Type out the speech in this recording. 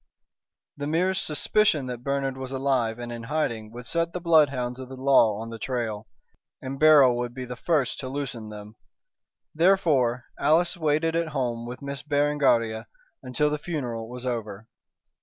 The merest suspicion that Bernard was alive and in hiding would set the bloodhounds of the law on the trail, and Beryl would be the first to loosen them. Therefore, Alice waited at home with Miss Berengaria until the funeral was over.